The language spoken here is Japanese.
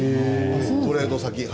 トレード先に。